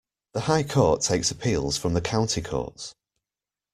The High Court takes appeals from the County Courts.